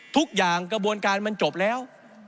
ทุกอย่างกระบวนการมันจบแล้ว